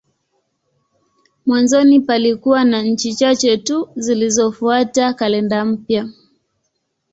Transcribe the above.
Mwanzoni palikuwa na nchi chache tu zilizofuata kalenda mpya.